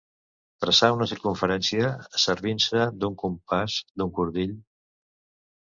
Traçar una circumferència servint-se d'un compàs, d'un cordill.